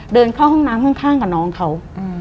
เดินเข้าห้องน้ำข้างกับน้องเขา